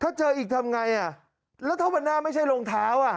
ถ้าเจออีกทำไงอ่ะแล้วถ้าวันหน้าไม่ใช่รองเท้าอ่ะ